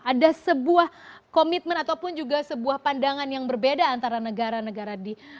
ada sebuah komitmen ataupun juga sebuah pandangan yang berbeda antara negara negara di